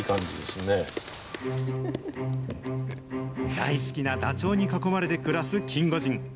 大好きなダチョウに囲まれて暮らすキンゴジン。